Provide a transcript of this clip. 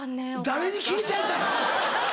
誰に聞いてんねん！